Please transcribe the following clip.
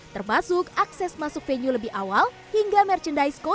termasuk akses masuk venue lebih awal hingga merchandise cole